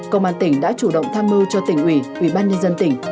công an tỉnh đã chủ động tham mưu cho tỉnh ủy ủy ban nhân dân tỉnh